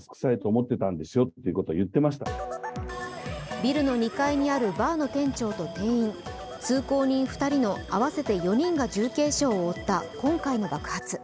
ビルの２階にあるバーの店長と店員、通行人２人の合わせて４人が重軽傷を負った今回の爆発。